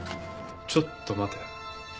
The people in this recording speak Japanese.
ちょっと待て。